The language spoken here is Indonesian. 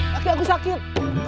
lagi aku sakit